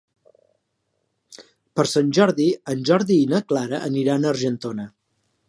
Per Sant Jordi en Jordi i na Clara aniran a Argentona.